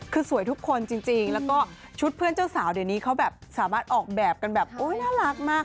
คือสวยทุกคนจริงแล้วก็ชุดเพื่อนเจ้าสาวเดี๋ยวนี้เขาแบบสามารถออกแบบกันแบบโอ๊ยน่ารักมาก